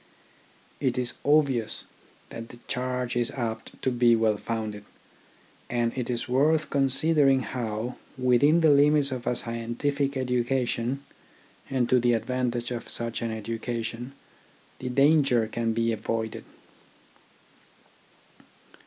It is obvious that the charge is apt to be well founded; and it is worth considering how, within the limits of a scientific education and to the advantage of such an education, the danger can be avoided.